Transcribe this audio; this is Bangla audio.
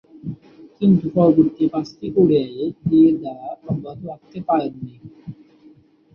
কিন্তু পরবর্তী পাঁচটি ওডিআইয়ে এ ধারা অব্যাহত রাখতে পারেননি।